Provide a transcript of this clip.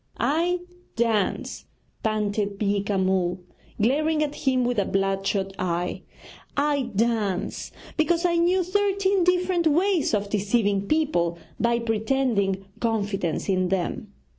'I dance,' panted Beeka Ram, glaring at him with a bloodshot eye, 'I dance because I knew thirteen different ways of deceiving people by pretending confidence in them.